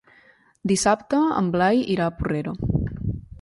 Dissabte en Blai irà a Porrera.